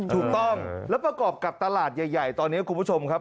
ถูกต้องแล้วประกอบกับตลาดใหญ่ตอนนี้คุณผู้ชมครับ